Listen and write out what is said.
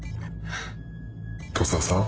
土佐さん。